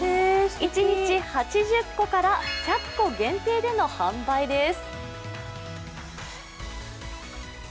一日８０個から１００個限定での販売です。